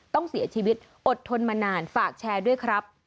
ต้องเสียชีวิตอดทนมานานฝากแชร์ด้วยครับ